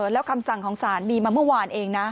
แล้วคำสั่งของศาลมีมาเมื่อวานเองนะ